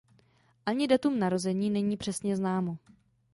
Ani datum narození není přesně známo.